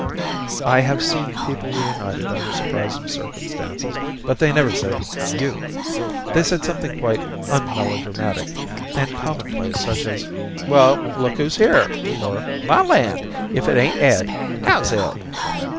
I have seen people reunited under surprising circumstances, but they never said, "You!" They said something quite unmelodramatic, and commonplace, such as: "Well, look who's here!" or, "My land! If it ain't Ed! How's Ed?"